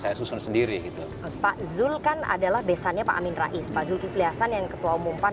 saya susun sendiri gitu pak zul kan adalah besannya pak amin rais pak zulkifli hasan yang ketua umum pan